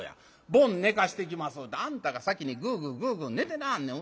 『ボン寝かしてきます』ってあんたが先にグーグーグーグー寝てなはんねん。